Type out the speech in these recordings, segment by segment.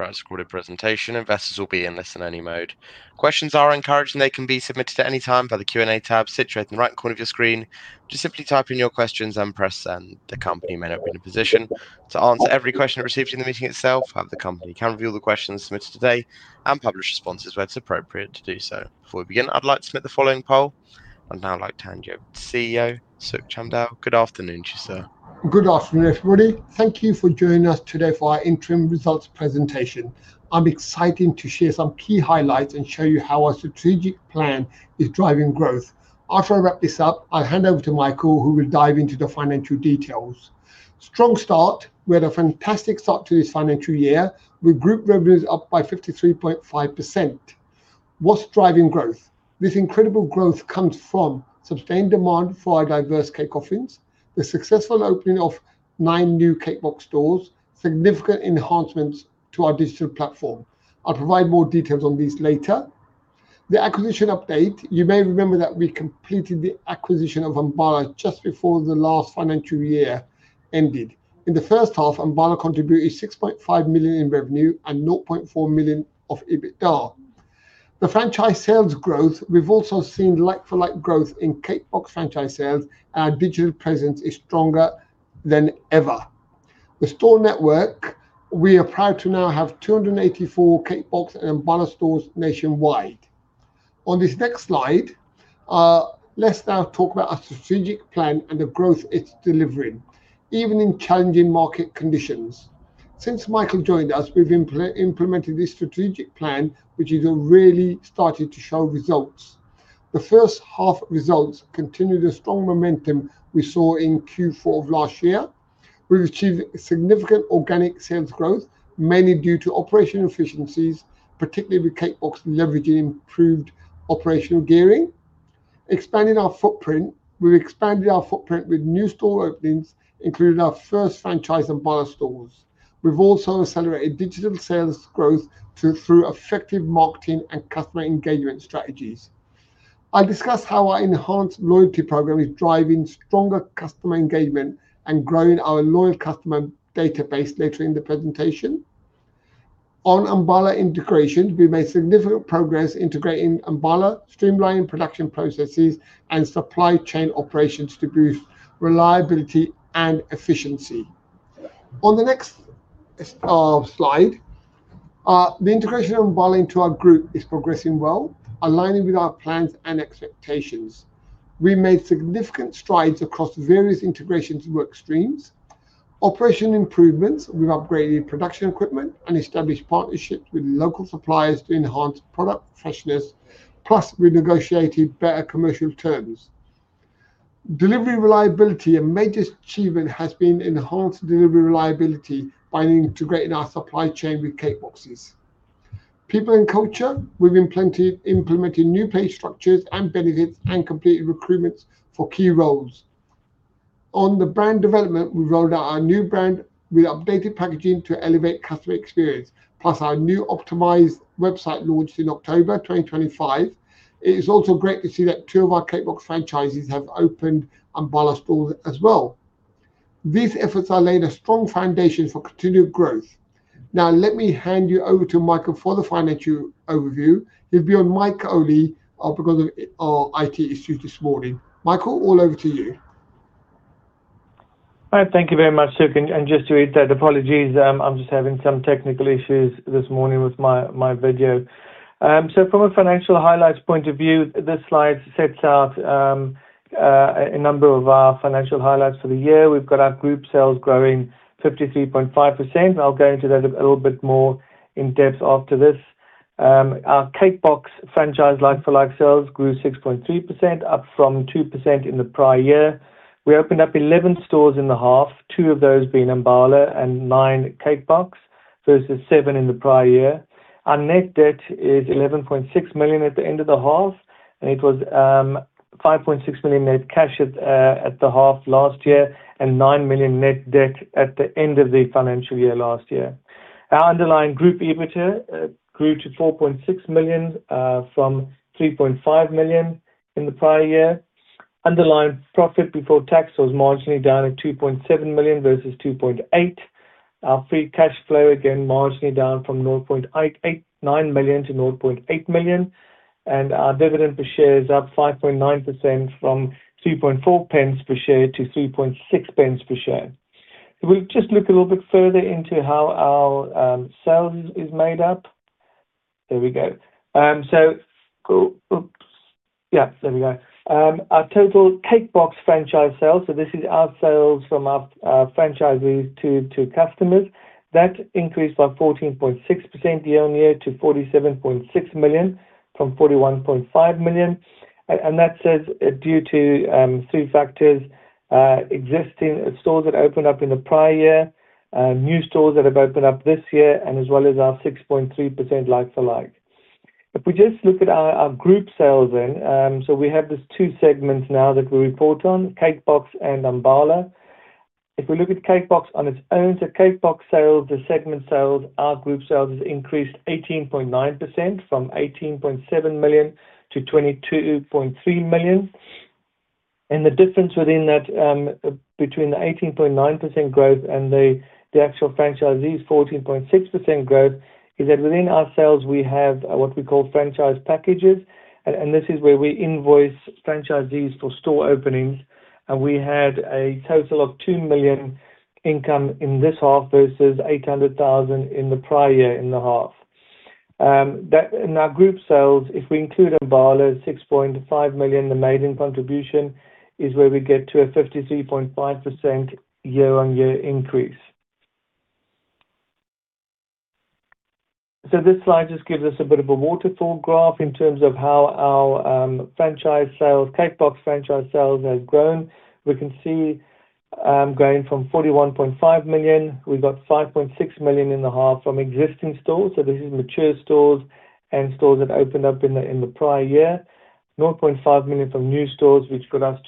Throughout the recorded presentation, investors will be in listen-only mode. Questions are encouraged, and they can be submitted at any time via the Q&A tab situated in the right corner of your screen. Just simply type in your questions and press send. The company may not be in a position to answer every question it receives in the meeting itself, however, the company can review the questions submitted today and publish responses where it's appropriate to do so. Before we begin, I'd like to submit the following poll. I'd now like to hand you over to CEO Sukh Chamdal. Good afternoon, Chief Sir. Good afternoon, everybody. Thank you for joining us today for our interim results presentation. I'm excited to share some key highlights and show you how our strategic plan is driving growth. After I wrap this up, I'll hand over to Michael, who will dive into the financial details. Strong start. We had a fantastic start to this financial year, with group revenues up by 53.5%. What's driving growth? This incredible growth comes from sustained demand for our diverse cake offerings, the successful opening of nine new Cake Box stores, and significant enhancements to our digital platform. I'll provide more details on these later. The acquisition update. You may remember that we completed the acquisition of Ambala just before the last financial year ended. In the first half, Ambala contributed 6.5 million in revenue and 0.4 million of EBITDA. The franchise sales growth. We've also seen like-for-like growth in Cake Box franchise sales, and our digital presence is stronger than ever. The store network. We are proud to now have 284 Cake Box and Ambala stores nationwide. On this next slide, let's now talk about our strategic plan and the growth it's delivering, even in challenging market conditions. Since Michael joined us, we've implemented this strategic plan, which has really started to show results. The first half results continue the strong momentum we saw in Q4 of last year. We've achieved significant organic sales growth, mainly due to operational efficiencies, particularly with Cake Box leveraging improved operational gearing. Expanding our footprint. We've expanded our footprint with new store openings, including our first franchise Ambala stores. We've also accelerated digital sales growth through effective marketing and customer engagement strategies. I'll discuss how our enhanced loyalty program is driving stronger customer engagement and growing our loyal customer database later in the presentation. On Ambala integration, we've made significant progress integrating Ambala, streamlining production processes, and supply chain operations to boost reliability and efficiency. On the next slide, the integration of Ambala into our group is progressing well, aligning with our plans and expectations. We made significant strides across various integration work streams. Operational improvements. We've upgraded production equipment and established partnerships with local suppliers to enhance product freshness, plus we negotiated better commercial terms. Delivery reliability. A major achievement has been enhanced delivery reliability by integrating our supply chain with Cake Box. People and culture. We've implemented new pay structures and benefits and completed recruitments for key roles. On the brand development, we rolled out our new brand with updated packaging to elevate customer experience, plus our new optimized website launched in October 2025. It is also great to see that two of our Cake Box franchises have opened Ambala stores as well. These efforts have laid a strong foundation for continued growth. Now, let me hand you over to Michael for the financial overview. He'll be on mic only because of IT issues this morning. Michael, all over to you. All right. Thank you very much, Sukh. Just to reiterate, apologies. I'm just having some technical issues this morning with my video. From a financial highlights point of view, this slide sets out a number of our financial highlights for the year. We've got our group sales growing 53.5%. I'll go into that a little bit more in depth after this. Our Cake Box franchise like-for-like sales grew 6.3%, up from 2% in the prior year. We opened up 11 stores in the half, two of those being Ambala and nine Cake Box versus seven in the prior year. Our net debt is 11.6 million at the end of the half, and it was 5.6 million net cash at the half last year and 9 million net debt at the end of the financial year last year. Our underlying group EBITDA grew to 4.6 million from 3.5 million in the prior year. Underlying profit before tax was marginally down at 2.7 million versus 2.8 million. Our free cash flow, again, marginally down from 0.89 million to 0.8 million. Our dividend per share is up 5.9% from 3.4 pence per share to 3.6 pence per share. We'll just look a little bit further into how our sales is made up. There we go. Our total Cake Box franchise sales, so this is our sales from our franchisees to customers. That increased by 14.6% year on year to 47.6 million from 41.5 million. That's due to three factors: existing stores that opened up in the prior year, new stores that have opened up this year, as well as our 6.3% like-for-like. If we just look at our group sales, we have these two segments now that we report on: Cake Box and Ambala. If we look at Cake Box on its own, Cake Box sales, the segment sales, our group sales has increased 18.9% from 18.7 million to 22.3 million. The difference within that between the 18.9% growth and the actual franchisees, 14.6% growth, is that within our sales, we have what we call franchise packages. This is where we invoice franchisees for store openings. We had a total of 2 million income in this half versus 800,000 in the prior year in the half. In our group sales, if we include Ambala, 6.5 million, the maiden contribution is where we get to a 53.5% year-on-year increase. This slide just gives us a bit of a waterfall graph in terms of how our Cake Box franchise sales have grown. We can see going from 41.5 million, we got 5.6 million in the half from existing stores. This is mature stores and stores that opened up in the prior year. 0.5 million from new stores, which got us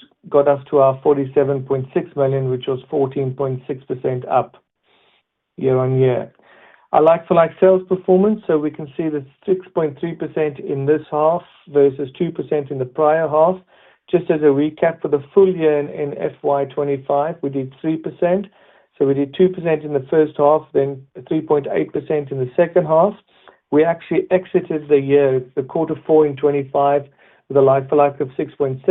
to our 47.6 million, which was 14.6% up year-on-year. Our like-for-like sales performance, we can see the 6.3% in this half versus 2% in the prior half. Just as a recap for the full year in FY 2025, we did 3%. We did 2% in the first half, then 3.8% in the second half. We actually exited the year, the quarter four in 2025, with a like-for-like of 6.7%.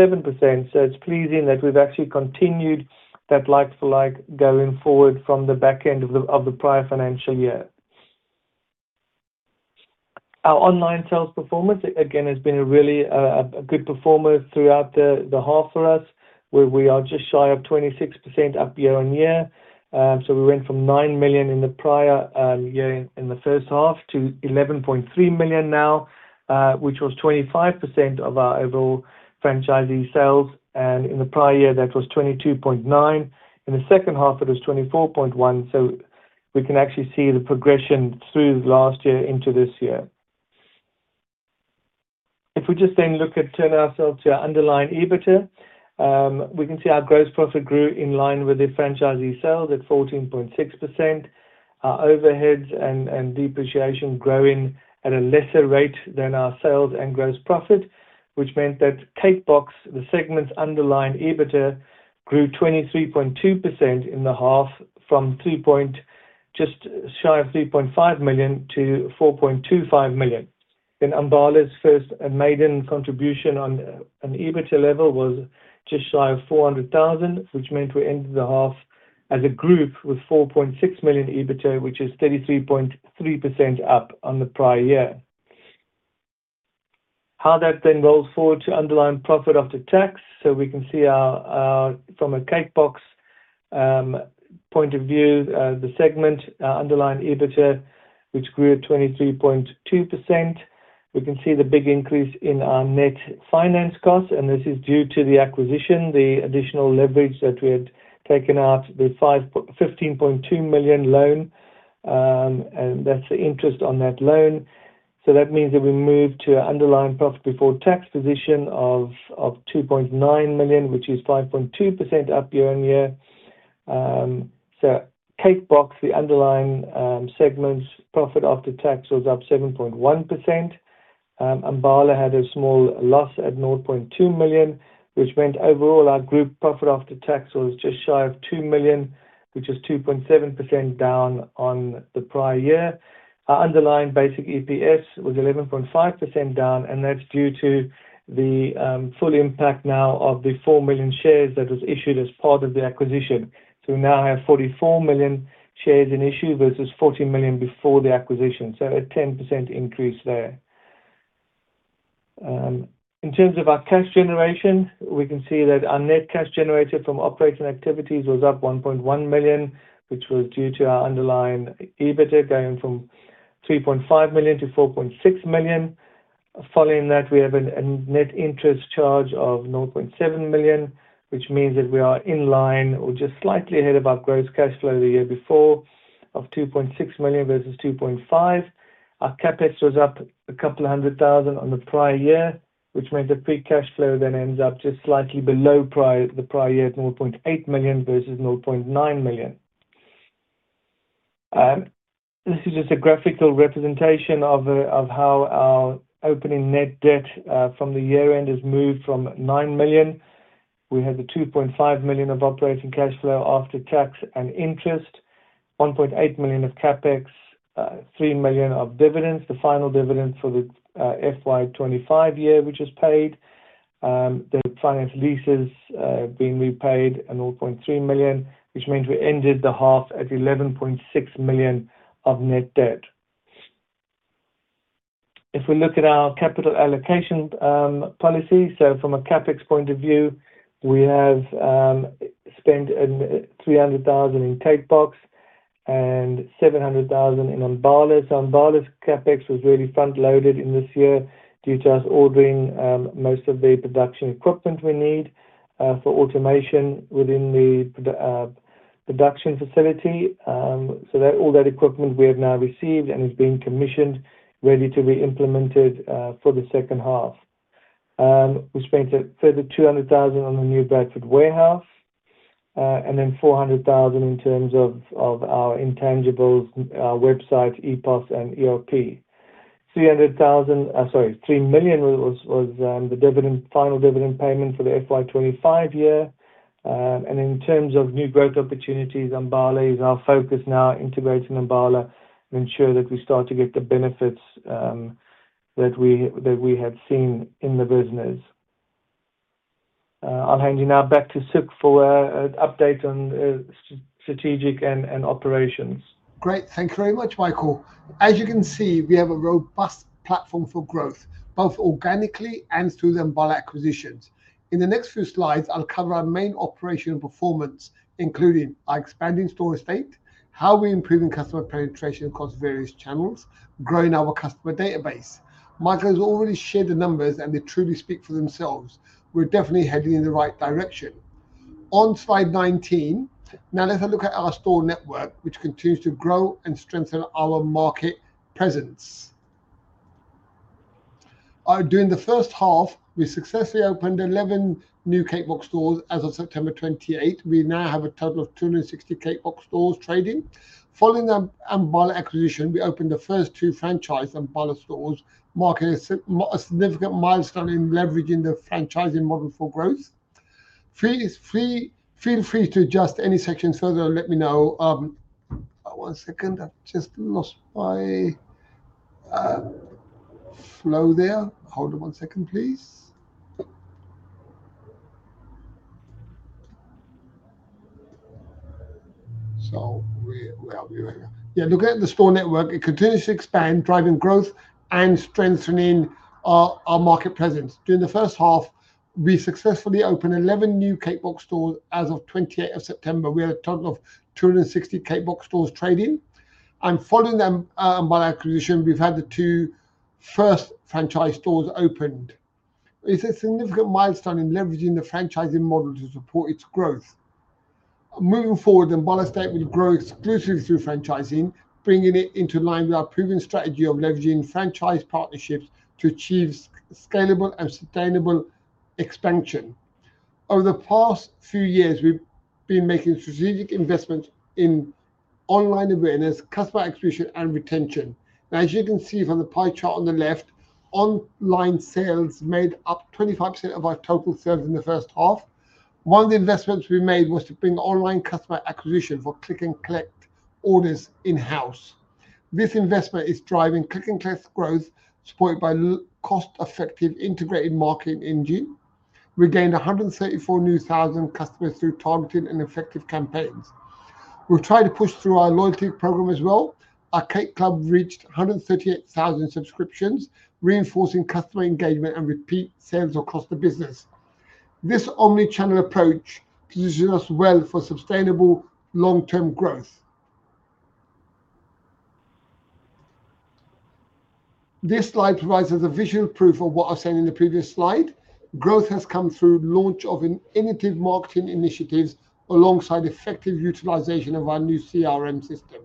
It's pleasing that we've actually continued that like-for-like going forward from the back end of the prior financial year. Our online sales performance, again, has been a really good performer throughout the half for us, where we are just shy of 26% up year on year. We went from 9 million in the prior year in the first half to 11.3 million now, which was 25% of our overall franchisee sales. In the prior year, that was 22.9%. In the second half, it was 24.1%. We can actually see the progression through last year into this year. If we just then turn ourselves to our underlying EBITDA, we can see our gross profit grew in line with the franchisee sales at 14.6%. Our overheads and depreciation grew at a lesser rate than our sales and gross profit, which meant that Cake Box, the segment's underlying EBITDA, grew 23.2% in the half from just shy of 3.5 million to 4.25 million. Ambala's first and maiden contribution on an EBITDA level was just shy of 400,000, which meant we ended the half as a group with 4.6 million EBITDA, which is 33.3% up on the prior year. How that then rolls forward to underlying profit after tax. We can see from a Cake Box point of view, the segment, our underlying EBITDA, which grew at 23.2%. We can see the big increase in our net finance costs. This is due to the acquisition, the additional leverage that we had taken out, the 15.2 million loan. That is the interest on that loan. That means that we moved to an underlying profit before tax position of 2.9 million, which is 5.2% up year on year. Cake Box, the underlying segment's profit after tax was up 7.1%. Ambala had a small loss at 0.2 million, which meant overall our group profit after tax was just shy of 2 million, which was 2.7% down on the prior year. Our underlying basic EPS was 11.5% down, and that's due to the full impact now of the 4 million shares that was issued as part of the acquisition. We now have 44 million shares in issue versus 40 million before the acquisition, so a 10% increase there. In terms of our cash generation, we can see that our net cash generated from operating activities was up 1.1 million, which was due to our underlying EBITDA going from 3.5 million to 4.6 million. Following that, we have a net interest charge of 0.7 million, which means that we are in line or just slightly ahead of our gross cash flow the year before of 2.6 million versus 2.5 million. Our CapEx was up a couple of hundred thousand on the prior year, which meant the free cash flow then ends up just slightly below the prior year at 0.8 million versus 0.9 million. This is just a graphical representation of how our opening net debt from the year-end has moved from 9 million. We had the 2.5 million of operating cash flow after tax and interest, 1.8 million of CapEx, 3 million of dividends, the final dividend for the FY 2025 year, which was paid. The finance leases being repaid and 0.3 million, which meant we ended the half at 11.6 million of net debt. If we look at our capital allocation policy, from a CapEx point of view, we have spent 300,000 in Cake Box and 700,000 in Ambala. Ambala's CapEx was really front-loaded in this year due to us ordering most of the production equipment we need for automation within the production facility. All that equipment we have now received and is being commissioned, ready to be implemented for the second half. We spent a further 200,000 on the new Bradford warehouse and then 400,000 in terms of our intangibles, our website, ePOS, and ERP. 3 million was the final dividend payment for the FY 2025 year. In terms of new growth opportunities, Ambala is our focus now, integrating Ambala and ensuring that we start to get the benefits that we have seen in the business. I'll hand you now back to Sukh for an update on strategic and operations. Great. Thank you very much, Michael. As you can see, we have a robust platform for growth, both organically and through the Ambala acquisitions. In the next few slides, I'll cover our main operational performance, including our expanding store estate, how we're improving customer penetration across various channels, growing our customer database. Michael has already shared the numbers, and they truly speak for themselves. We're definitely heading in the right direction. On slide 19, now let's have a look at our store network, which continues to grow and strengthen our market presence. During the first half, we successfully opened 11 new Cake Box stores as of September 28. We now have a total of 260 Cake Box stores trading. Following the Ambala acquisition, we opened the first two franchise Ambala stores, marking a significant milestone in leveraging the franchising model for growth. Feel free to adjust any sections further or let me know. One second. I've just lost my flow there. Hold on one second, please. Where are we right now? Yeah, looking at the store network, it continues to expand, driving growth and strengthening our market presence. During the first half, we successfully opened 11 new Cake Box stores. As of 28 September, we had a total of 260 Cake Box stores trading. Following the Ambala acquisition, we've had the two first franchise stores opened. It's a significant milestone in leveraging the franchising model to support its growth. Moving forward, the Ambala estate will grow exclusively through franchising, bringing it into line with our proven strategy of leveraging franchise partnerships to achieve scalable and sustainable expansion. Over the past few years, we've been making strategic investments in online awareness, customer acquisition, and retention. Now, as you can see from the pie chart on the left, online sales made up 25% of our total sales in the first half. One of the investments we made was to bring online customer acquisition for click-and-collect orders in-house. This investment is driving click-and-collect growth supported by cost-effective integrated marketing engine. We gained 134,000 new customers through targeted and effective campaigns. We've tried to push through our loyalty program as well. Our cake club reached 138,000 subscriptions, reinforcing customer engagement and repeat sales across the business. This omnichannel approach positions us well for sustainable long-term growth. This slide provides us a visual proof of what I've said in the previous slide. Growth has come through the launch of innovative marketing initiatives alongside effective utilization of our new CRM system.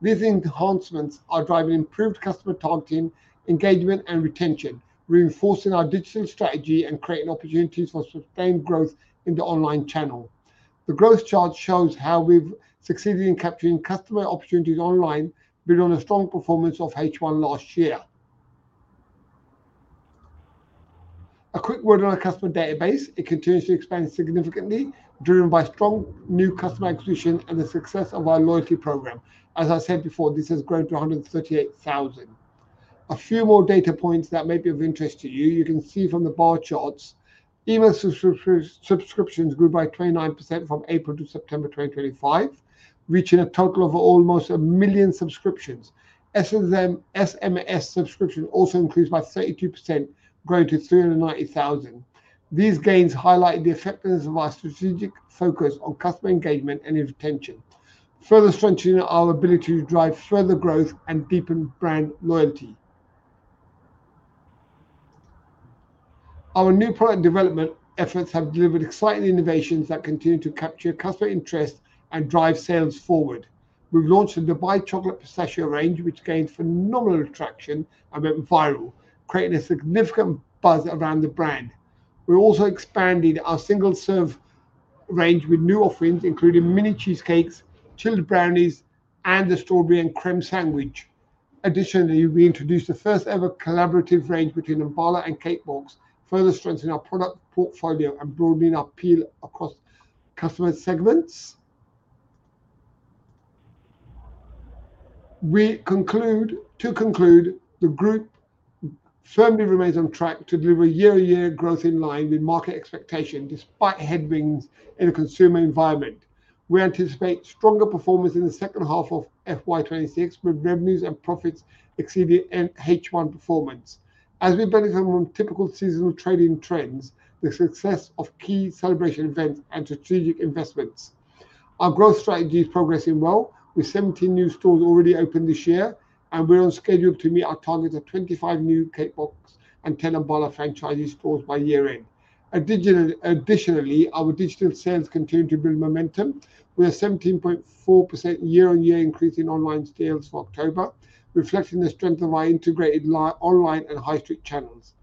These enhancements are driving improved customer targeting, engagement, and retention, reinforcing our digital strategy and creating opportunities for sustained growth in the online channel. The growth chart shows how we've succeeded in capturing customer opportunities online, building on a strong performance of H1 last year. A quick word on our customer database. It continues to expand significantly, driven by strong new customer acquisition and the success of our loyalty program. As I said before, this has grown to 138,000. A few more data points that may be of interest to you. You can see from the bar charts, email subscriptions grew by 29% from April to September 2025, reaching a total of almost 1 million subscriptions. SMS subscriptions also increased by 32%, growing to 390,000. These gains highlight the effectiveness of our strategic focus on customer engagement and retention, further strengthening our ability to drive further growth and deepen brand loyalty. Our new product development efforts have delivered exciting innovations that continue to capture customer interest and drive sales forward. We've launched the Dubai Chocolate pistachio range, which gained phenomenal traction and went viral, creating a significant buzz around the brand. We're also expanding our single-serve range with new offerings, including mini cheesecakes, chilled brownies, and the strawberry and cream sandwich. Additionally, we introduced the first-ever collaborative range between Ambala and Cake Box, further strengthening our product portfolio and broadening our appeal across customer segments. To conclude, the group firmly remains on track to deliver year-on-year growth in line with market expectations, despite headwinds in a consumer environment. We anticipate stronger performance in the second half of FY 2026, with revenues and profits exceeding H1 performance. As we benefit from typical seasonal trading trends, the success of key celebration events and strategic investments. Our growth strategy is progressing well, with 17 new stores already opened this year, and we're on schedule to meet our target of 25 new Cake Box and 10 Ambala franchisee stores by year-end. Additionally, our digital sales continue to build momentum, with a 17.4% year-on-year increase in online sales for October, reflecting the strength of our integrated online and high-street channels.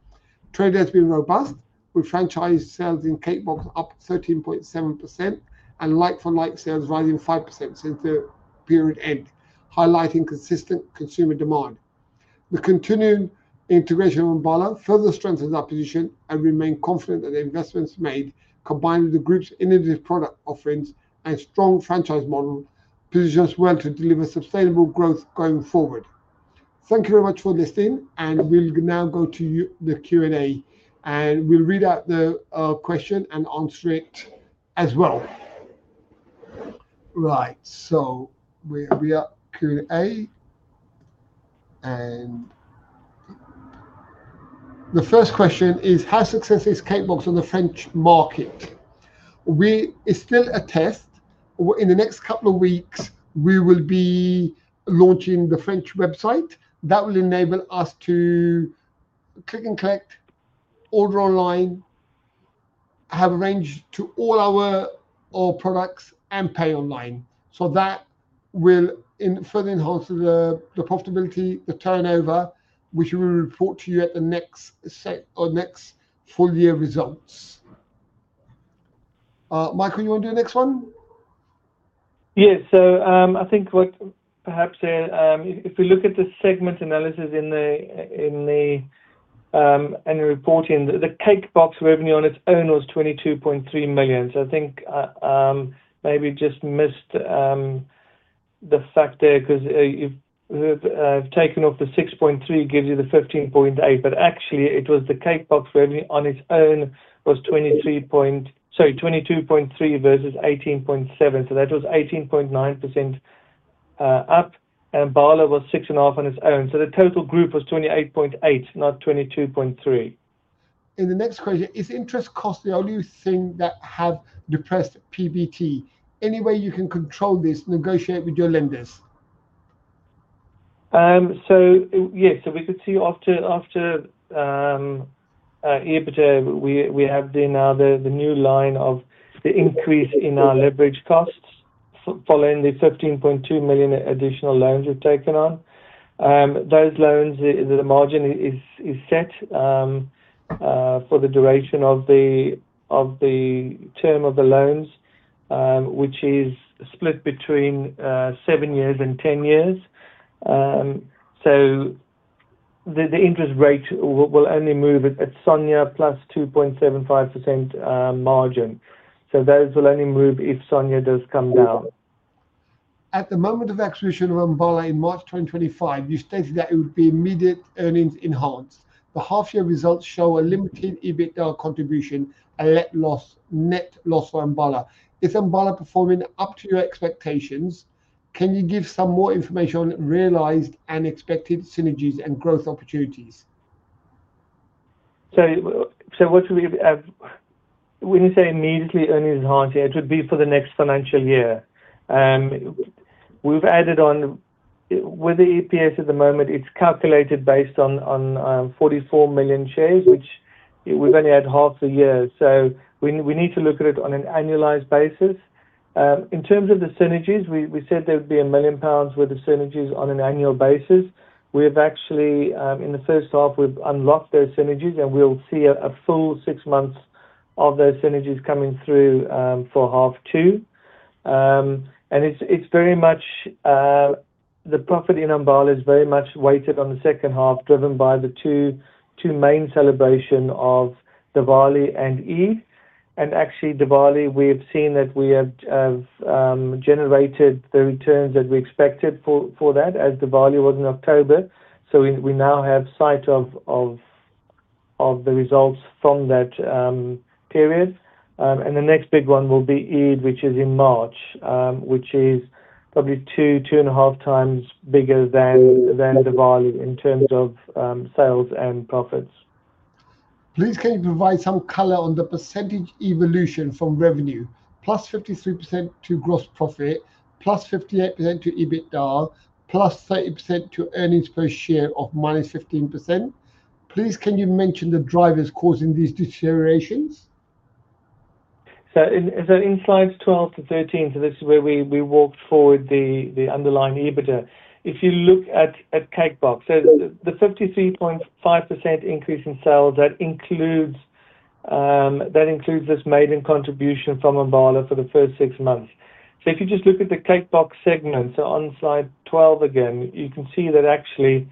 Trade has been robust, with franchise sales in Cake Box up 13.7% and like-for-like sales rising 5% since the period end, highlighting consistent consumer demand. The continuing integration of Ambala further strengthens our position and remains confident that the investments made, combined with the group's innovative product offerings and strong franchise model, position us well to deliver sustainable growth going forward. Thank you very much for listening, and we will now go to the Q&A, and we will read out the question and answer it as well. Right, we are at Q&A. The first question is, how success is Cake Box on the French market? It is still a test. In the next couple of weeks, we will be launching the French website. That will enable us to click-and-collect, order online, have a range to all our products, and pay online. That will further enhance the profitability, the turnover, which we will report to you at the next full-year results. Michael, you want to do the next one? Yeah, so I think perhaps if we look at the segment analysis and the reporting, the Cake Box revenue on its own was 22.3 million. I think I maybe just missed the fact there because I've taken off the 6.3, gives you the 15.8. Actually, it was the Cake Box revenue on its own was 22.3 million versus 18.7 million. That was 18.9% up, and Ambala was 6.5 million on its own. The total group was 28.8 million, not 22.3 million. In the next question, is interest cost the only thing that has depressed PBT? Any way you can control this, negotiate with your lenders? Yes, we could see after EBITDA, we have now the new line of the increase in our leverage costs following the 15.2 million additional loans we've taken on. Those loans, the margin is set for the duration of the term of the loans, which is split between seven years and ten years. The interest rate will only move at Sonia plus 2.75% margin. Those will only move if Sonia does come down. At the moment of acquisition of Ambala in March 2025, you stated that it would be immediate earnings enhanced. The half-year results show a limited EBITDA contribution and net loss for Ambala. Is Ambala performing up to your expectations? Can you give some more information on realized and expected synergies and growth opportunities? When you say immediately earnings enhancing, it would be for the next financial year. We've added on with the EPS at the moment, it's calculated based on 44 million shares, which we've only had half the year. We need to look at it on an annualized basis. In terms of the synergies, we said there would be 1 million pounds worth of synergies on an annual basis. Actually, in the first half, we've unlocked those synergies, and we'll see a full six months of those synergies coming through for half two. It is very much the profit in Ambala is very much weighted on the second half, driven by the two main celebrations of Diwali and Eid. Actually, Diwali, we have seen that we have generated the returns that we expected for that, as Diwali was in October. We now have sight of the results from that period. The next big one will be Eid, which is in March, which is probably two, two and a half times bigger than Diwali in terms of sales and profits. Please can you provide some color on the percentage evolution from revenue, plus 53% to gross profit, plus 58% to EBITDA +30% to earnings per share of minus 15%? Please can you mention the drivers causing these deteriorations? In slides 12 to 13, this is where we walked forward the underlying EBITDA. If you look at Cake Box, the 53.5% increase in sales includes this maiden contribution from Ambala for the first six months. If you just look at the Cake Box segment, on slide 12 again, you can see that actually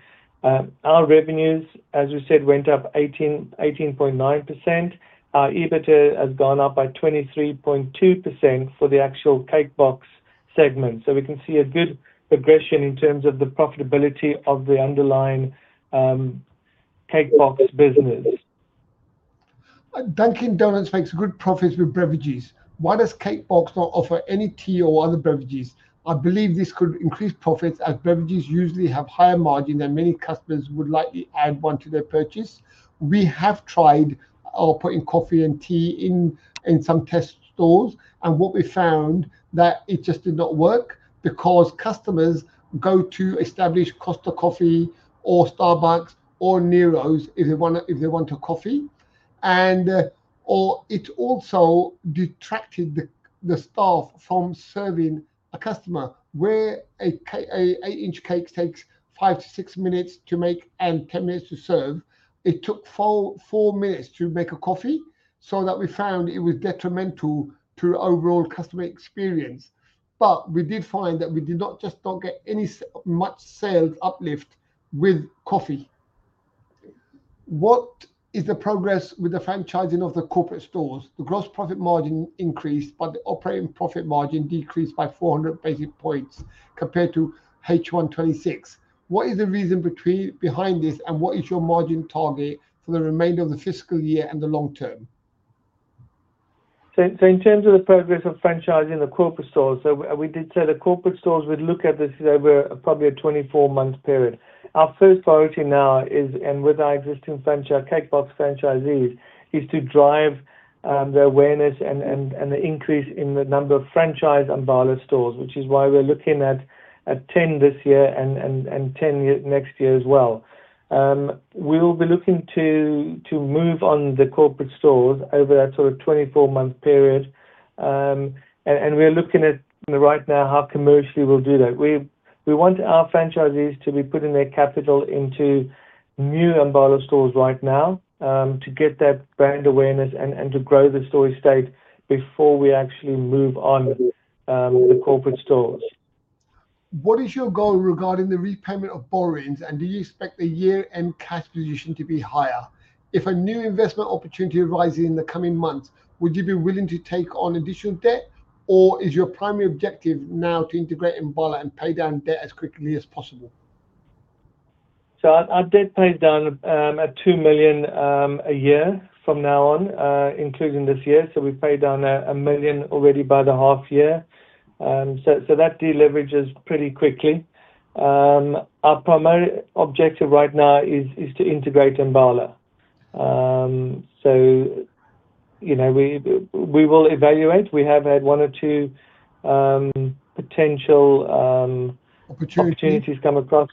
our revenues, as we said, went up 18.9%. Our EBITDA has gone up by 23.2% for the actual Cake Box segment. We can see a good progression in terms of the profitability of the underlying Cake Box business. Dunkin' Donuts makes good profits with beverages. Why does Cake Box not offer any tea or other beverages? I believe this could increase profits as beverages usually have higher margins and many customers would likely add one to their purchase. We have tried putting coffee and tea in some test stores, and what we found was that it just did not work because customers go to established Costa Coffee or Starbucks or Nero's if they want a coffee. It also detracted the staff from serving a customer, where an eight-inch cake takes five to six minutes to make and ten minutes to serve. It took four minutes to make a coffee, so we found it was detrimental to the overall customer experience. We did not get any much sales uplift with coffee. What is the progress with the franchising of the corporate stores? The gross profit margin increased, but the operating profit margin decreased by 400 basis points compared to H126. What is the reason behind this, and what is your margin target for the remainder of the fiscal year and the long term? In terms of the progress of franchising the corporate stores, we did say the corporate stores would look at this over probably a 24-month period. Our first priority now, and with our existing Cake Box franchisees, is to drive the awareness and the increase in the number of franchise Ambala stores, which is why we are looking at 10 this year and 10 next year as well. We will be looking to move on the corporate stores over that sort of 24-month period. We are looking at right now how commercially we will do that. We want our franchisees to be putting their capital into new Ambala stores right now to get that brand awareness and to grow the store estate before we actually move on to the corporate stores. What is your goal regarding the repayment of borrowings, and do you expect the year-end cash position to be higher? If a new investment opportunity arises in the coming months, would you be willing to take on additional debt, or is your primary objective now to integrate Ambala and pay down debt as quickly as possible? Our debt pays down at 2 million a year from now on, including this year. We've paid down 1 million already by the half year. That deleverages pretty quickly. Our primary objective right now is to integrate Ambala. We will evaluate. We have had one or two potential opportunities come across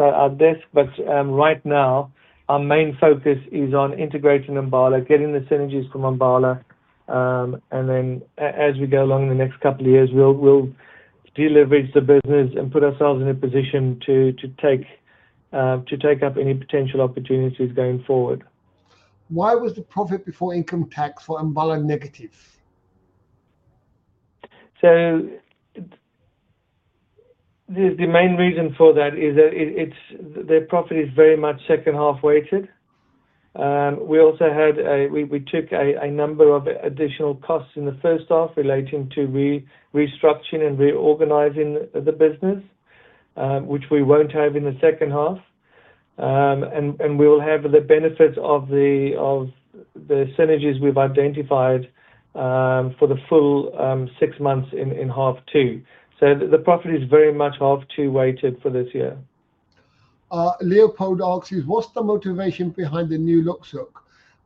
our desk, but right now, our main focus is on integrating Ambala, getting the synergies from Ambala, and then as we go along in the next couple of years, we'll deleverage the business and put ourselves in a position to take up any potential opportunities going forward. Why was the profit before income tax for Ambala negative? The main reason for that is that their profit is very much second-half weighted. We also had a we took a number of additional costs in the first half relating to restructuring and reorganizing the business, which we will not have in the second half. We will have the benefits of the synergies we have identified for the full six months in half two. The profit is very much half two weighted for this year. Leopold asks, what's the motivation behind the new look?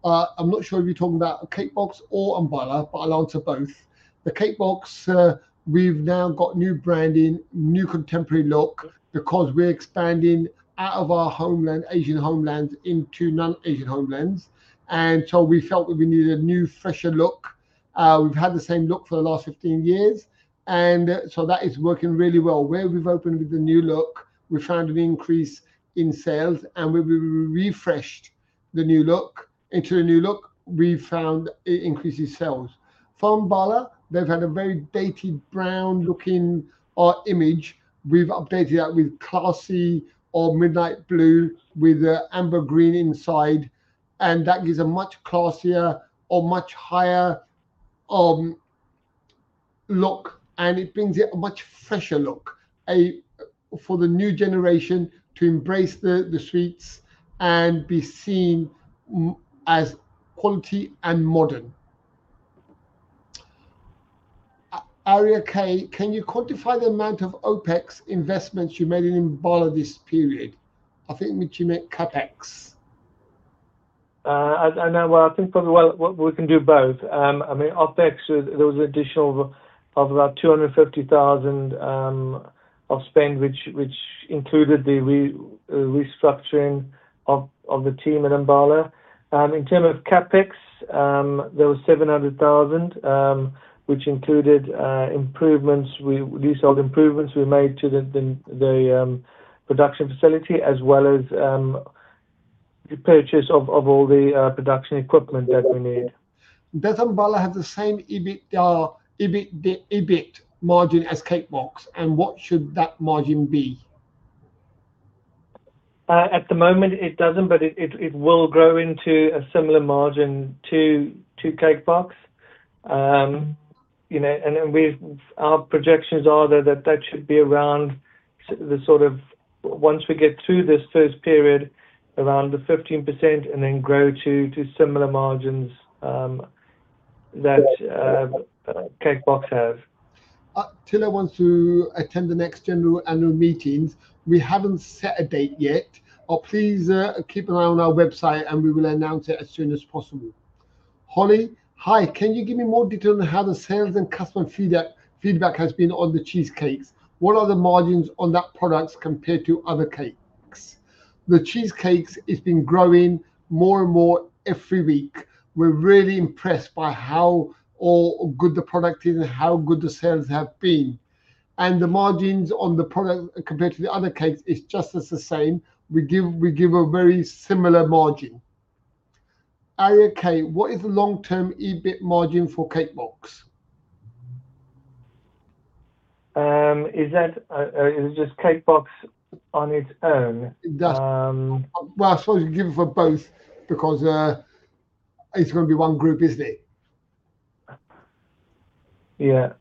I'm not sure if you're talking about Cake Box or Ambala, but I'll answer both. For Cake Box, we've now got new branding, new contemporary look because we're expanding out of our Asian homelands into non-Asian homelands. We felt that we needed a new, fresher look. We've had the same look for the last 15 years, and that is working really well. Where we've opened with the new look, we found an increase in sales, and where we refreshed the new look into the new look, we found it increases sales. For Ambala, they've had a very dated, brown-looking image. We've updated that with classy or midnight blue with amber green inside, and that gives a much classier or much higher look, and it brings it a much fresher look for the new generation to embrace the sweets and be seen as quality and modern. Aria K, can you quantify the amount of OpEx investments you made in Ambala this period? I think you meant CapEx. I think probably what we can do both. I mean, OpEx, there was an additional of about 250,000 of spend, which included the restructuring of the team at Ambala. In terms of CapEx, there was 700,000, which included improvements. We sold improvements we made to the production facility, as well as the purchase of all the production equipment that we need. Does Ambala have the same EBITDA margin as Cake Box, and what should that margin be? At the moment, it doesn't, but it will grow into a similar margin to Cake Box. Our projections are that that should be around the sort of, once we get through this first period, around the 15% and then grow to similar margins that Cake Box has. Till I want to attend the next general annual meetings, we haven't set a date yet. Please keep an eye on our website, and we will announce it as soon as possible. Holly, hi, can you give me more detail on how the sales and customer feedback has been on the cheesecakes? What are the margins on that product compared to other cakes? The cheesecakes have been growing more and more every week. We're really impressed by how good the product is and how good the sales have been. The margins on the product compared to the other cakes are just as the same. We give a very similar margin. Aria K, what is the long-term EBIT margin for Cake Box? Is it just Cake Box on its own? It does. I suppose you can give it for both because it's going to be one group, isn't it? Yeah.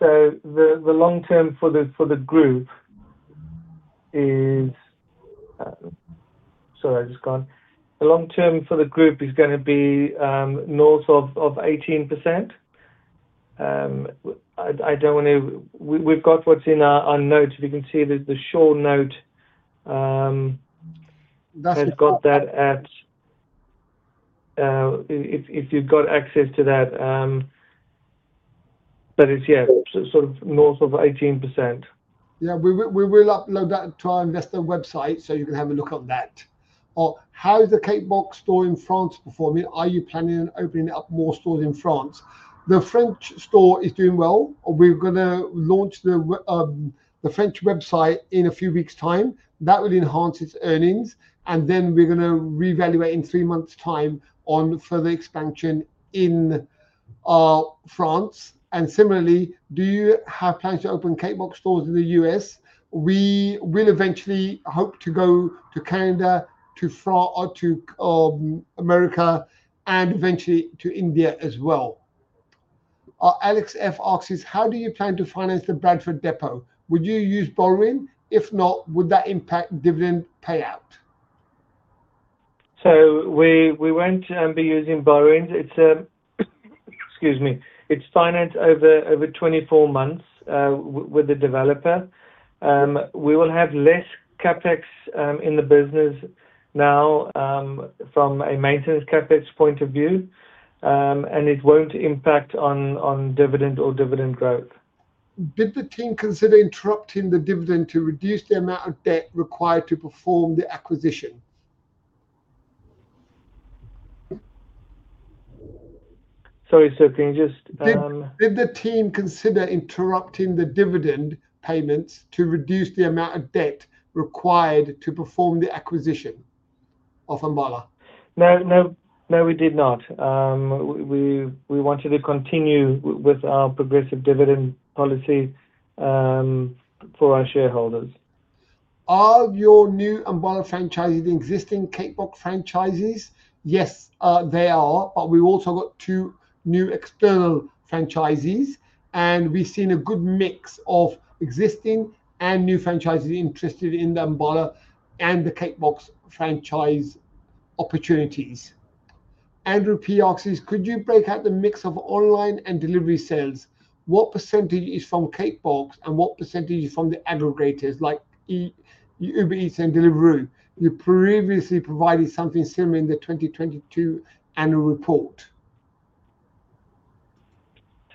The long term for the group is, sorry, I just got it. The long term for the group is going to be north of 18%. I do not want to, we have got what is in our notes. If you can see the short note, they have got that at, if you have got access to that. It is, yeah, sort of north of 18%. Yeah, we will upload that to our investor website so you can have a look at that. How is the Cake Box store in France performing? Are you planning on opening up more stores in France? The French store is doing well. We're going to launch the French website in a few weeks' time. That will enhance its earnings. We're going to reevaluate in three months' time on further expansion in France. Similarly, do you have plans to open Cake Box stores in the U.S.? We will eventually hope to go to Canada, to America, and eventually to India as well. Alex F asks, how do you plan to finance the Bradford Depot? Would you use borrowing? If not, would that impact dividend payout? We won't be using borrowing. Excuse me. It's financed over 24 months with the developer. We will have less CapEx in the business now from a maintenance CapEx point of view, and it won't impact on dividend or dividend growth. Did the team consider interrupting the dividend to reduce the amount of debt required to perform the acquisition? Sorry, sir, can you just? Did the team consider interrupting the dividend payments to reduce the amount of debt required to perform the acquisition of Ambala? No, no, no, we did not. We wanted to continue with our progressive dividend policy for our shareholders. Are your new Ambala franchisees existing Cake Box franchisees? Yes, they are, but we've also got two new external franchisees, and we've seen a good mix of existing and new franchisees interested in the Ambala and the Cake Box franchise opportunities. Andrew P asks, could you break out the mix of online and delivery sales? What percentage is from Cake Box and what percentage is from the aggregators like Uber Eats and Deliveroo? You previously provided something similar in the 2022 annual report.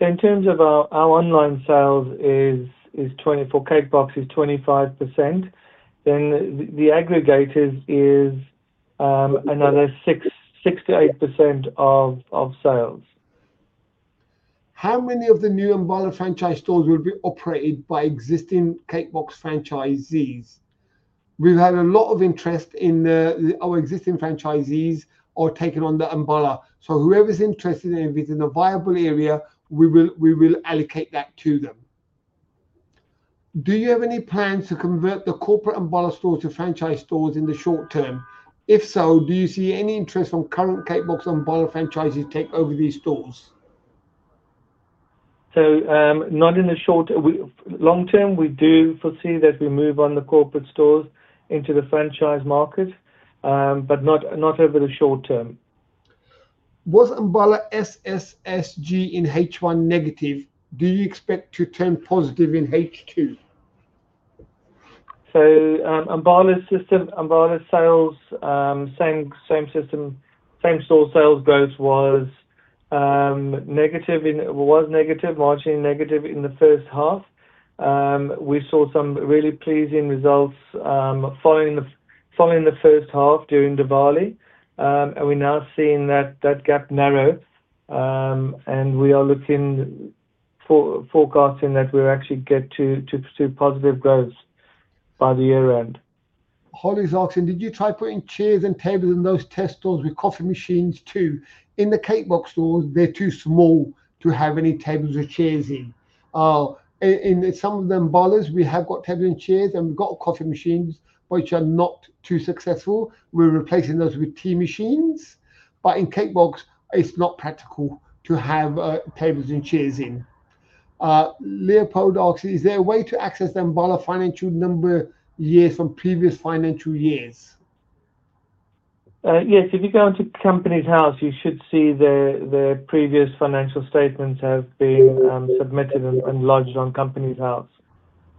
In terms of our online sales, Cake Box is 25%. The aggregators is another 6%-8% of sales. How many of the new Ambala franchise stores will be operated by existing Cake Box franchisees? We've had a lot of interest in our existing franchisees who have taken on the Ambala. Whoever's interested in visiting a viable area, we will allocate that to them. Do you have any plans to convert the corporate Ambala stores to franchise stores in the short term? If so, do you see any interest from current Cake Box or Ambala franchisees to take over these stores? Not in the short term. Long term, we do foresee that we move on the corporate stores into the franchise market, but not over the short term. Was Ambala SSSG in H1 negative? Do you expect to turn positive in H2? Ambala sales, same system, same store sales growth was negative, margin negative in the first half. We saw some really pleasing results following the first half during Diwali, and we're now seeing that gap narrow, and we are looking, forecasting that we'll actually get to positive growth by the year-end. Holly's asking, did you try putting chairs and tables in those test stores with coffee machines too? In the Cake Box stores, they're too small to have any tables or chairs in. In some of the Ambala, we have got tables and chairs, and we've got coffee machines, which are not too successful. We're replacing those with tea machines, but in Cake Box, it's not practical to have tables and chairs in. Leopold asks, is there a way to access the Ambala financial number years from previous financial years? Yes, if you go into Companies House, you should see the previous financial statements have been submitted and lodged on Companies House.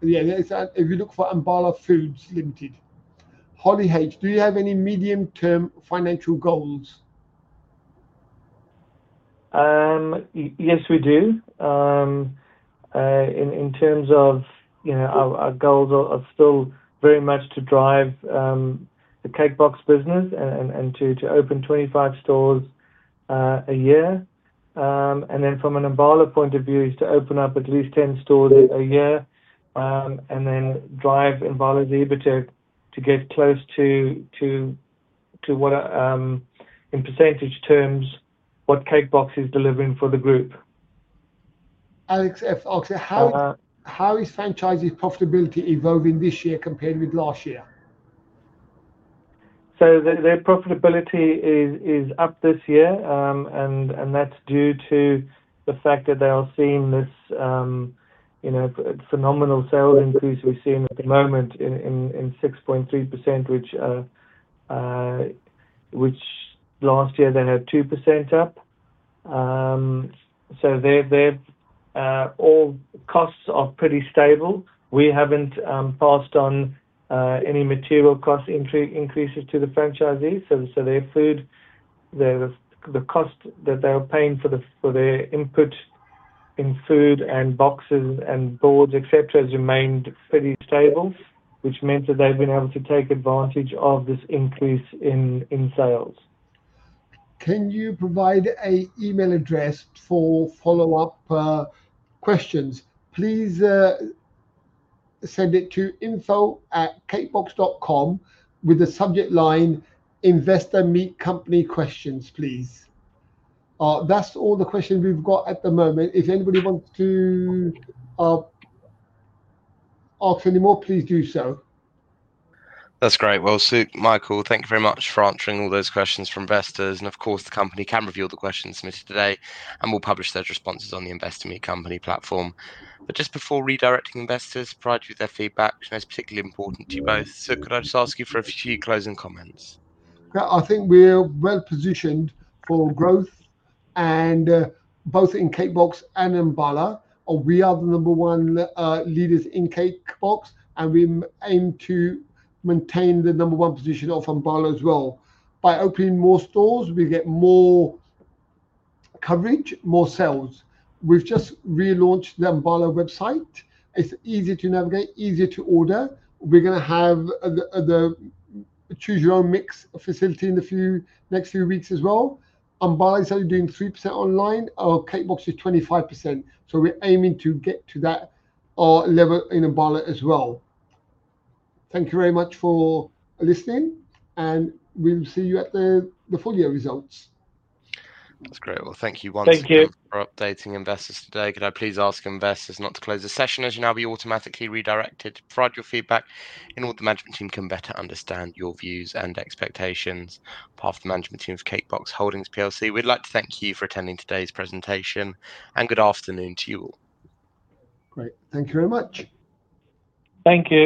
Yeah, if you look for Ambala Foods Limited. Holly H, do you have any medium-term financial goals? Yes, we do. In terms of our goals, are still very much to drive the Cake Box business and to open 25 stores a year. In terms of an Ambala point of view, is to open up at least 10 stores a year and then drive Ambala's EBITDA to get close to, in percentage terms, what Cake Box is delivering for the group. Alex F asks, how is franchisee profitability evolving this year compared with last year? Their profitability is up this year, and that's due to the fact that they are seeing this phenomenal sales increase we've seen at the moment in 6.3%, which last year they had 2% up. All costs are pretty stable. We haven't passed on any material cost increases to the franchisees. Their food, the cost that they were paying for their input in food and boxes and boards, etc., has remained pretty stable, which means that they've been able to take advantage of this increase in sales. Can you provide an email address for follow-up questions? Please send it to info@cakebox.com with the subject line, Investor Meet Company Questions, please. That's all the questions we've got at the moment. If anybody wants to ask any more, please do so. That's great. Sukh, Michael, thank you very much for answering all those questions from investors. Of course, the company can review the questions submitted today, and we'll publish those responses on the Investor Meet Company platform. Just before redirecting investors to provide you with their feedback, which I know is particularly important to you both, Sukh, could I just ask you for a few closing comments? I think we're well positioned for growth, and both in Cake Box and Ambala, we are the number one leaders in Cake Box, and we aim to maintain the number one position of Ambala as well. By opening more stores, we get more coverage, more sales. We've just relaunched the Ambala website. It's easy to navigate, easy to order. We're going to have the choose-your-own-mix facility in the next few weeks as well. Ambala is only doing 3% online. Cake Box is 25%. We're aiming to get to that level in Ambala as well. Thank you very much for listening, and we'll see you at the full year results. That's great. Thank you once again for updating investors today. Could I please ask investors not to close the session as you will now be automatically redirected to provide your feedback in order for the management team to better understand your views and expectations? On behalf of the management team of Cake Box Holdings plc, we'd like to thank you for attending today's presentation, and good afternoon to you all. Great. Thank you very much. Thank you.